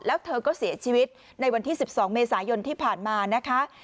แล้วเธอก็เสียชีวิตในวันที่๑๒เมษายนที่ผ่านมานะคะ